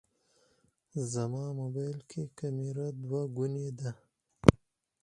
زما موبایل کې کمېره دوهګونې ده.